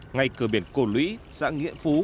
ngay cửa biển cổ lũy xã nghĩa phú